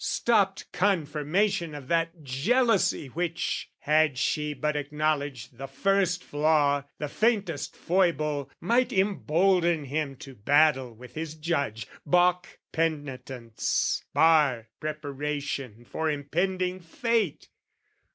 Stopped confirmation of that jealousy Which, had she but acknowledged the first flaw, The faintest foible, might embolden him To battle with his judge, baulk penitence, Bar preparation for impending fate.